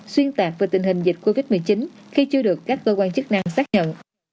xuyên tạc về tình hình dịch covid một mươi chín khi chưa được các cơ quan chức năng xác nhận